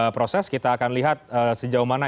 proses kita akan lihat sejauh mana